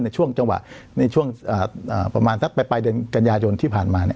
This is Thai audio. ในช่วงจังหวะในช่วงอ่าประมาณสักไปไปเดือนกัญญาโยนที่ผ่านมาเนี่ย